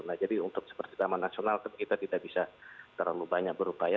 nah jadi untuk seperti taman nasional kita tidak bisa terlalu banyak berupaya